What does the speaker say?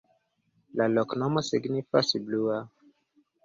La loknomo signifas: blua.